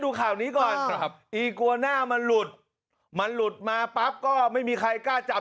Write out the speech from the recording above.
ดูข่าวนี้ก่อนครับอีกวาหน้ามันหลุดมันหลุดมาปั๊บก็ไม่มีใครกล้าจับ